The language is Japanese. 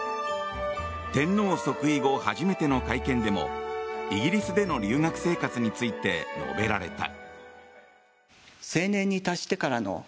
天皇即位後初めての会見でもイギリスの留学生活について述べられた。